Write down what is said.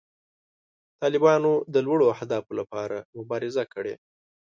طالبانو د لوړو اهدافو لپاره مبارزه کړې.